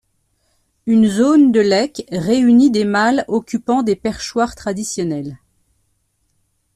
Une zone de lek réunit des mâles occupant des perchoirs traditionnels.